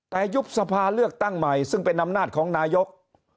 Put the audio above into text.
แต่ยุบสภาเลือกตั้งใหม่ซึ่งเป็นอำนาจของนายก